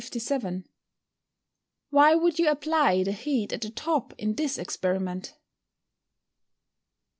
] 157. _Why would you apply the heat at the top, in this experiment?